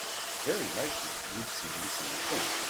Very likely you've seen the same thing.